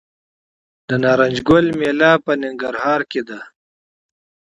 د نارنج ګل میله په ننګرهار کې ده.